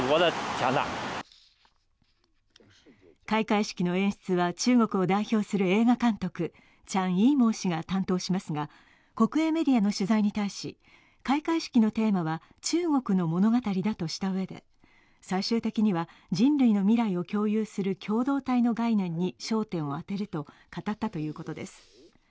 開会式の演出は、中国を代表する映画監督、チャン・イーモウ氏が担当しますが国営メディアの取材に対し、開会式のテーマは中国の物語だとしたうえで最終的には人類の未来を共有する共同体の概念に概念に焦点を当てると語ったということです。